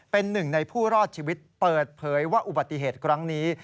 เป็นหนึ่งในผู้รอดชีวิตเปิดเผยว่าอุบัติเหตุครั้งนี้